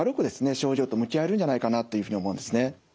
症状と向き合えるんじゃないかなというふうに思うんですね。